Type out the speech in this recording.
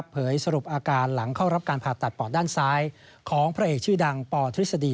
สรุปอาการหลังเข้ารับการผ่าตัดปอดด้านซ้ายของพระเอกชื่อดังปธฤษฎี